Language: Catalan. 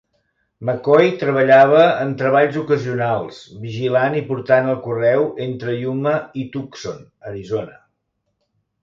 McCoy treballava en treballs ocasionals, vigilant i portant el correu entre Yuma i Tucson, Arizona.